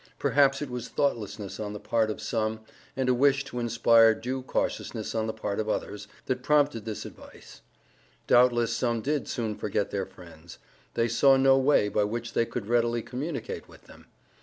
Perhaps it was thoughtlessness on the part of some, and a wish to inspire due cautiousness on the part of others, that prompted this advice. Doubtless some did soon forget their friends. They saw no way by which they could readily communicate with them.